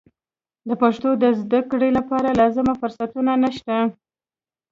د پښتو د زده کړې لپاره لازم فرصتونه نشته.